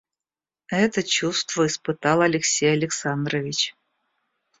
Это чувство испытал Алексей Александрович.